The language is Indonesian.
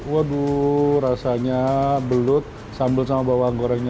waduh rasanya belut sambal sama bawang gorengnya